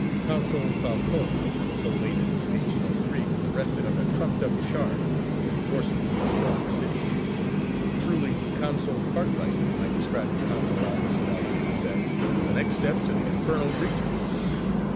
Consul Falcon, so late as 1803, was arrested on a trumped up charge, and forcibly expelled the city: truly Consul Cartwright might describe the consular office of Algiers as "the next step to the infernal regions."